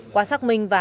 quả xác minh vào